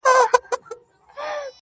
نه ، نه داسي نه ده.